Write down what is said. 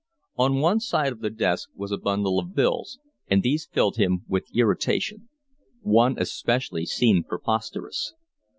On one side of the desk was a bundle of bills, and these filled him with irritation. One especially seemed preposterous.